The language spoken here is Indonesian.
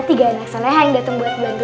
tiga anak soleha yang datang buat bantuin ustadz